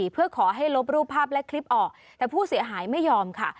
เพื่อขอให้ลบรูปภาพและคลิปออกแต่ผู้เสียหายไม่ยอมค่ะ